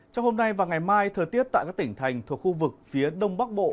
trong hôm nay và ngày mai thời tiết tại các tỉnh thành thuộc khu vực phía đông bắc bộ